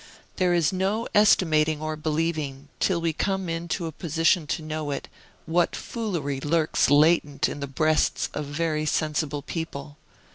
There is no estimating or believing, till we come into a position to know it, what foolery lurks latent in the breasts of very sensible people.